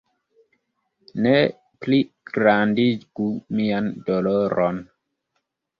Ne pligrandigu mian doloron!